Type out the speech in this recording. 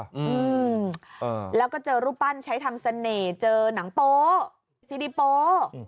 อืมแล้วก็เจอรูปปั้นใช้ทำเสน่ห์เจอหนังโป๊ซีดีโป๊อืม